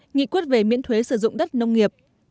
nghị quyết về miễn thuế sử dụng đất nông nghiệp